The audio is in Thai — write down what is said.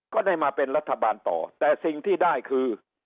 ก็ได้มาเป็นรัฐบาลต่อแต่สิ่งที่ได้คือ